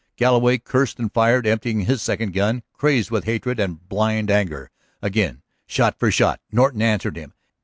Galloway cursed and fired, emptying his second gun, crazed with hatred and blind anger. Again, shot for shot Norton answered him.